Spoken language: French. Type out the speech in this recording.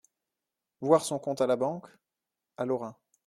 Voir son compte à la banque." À Lorin.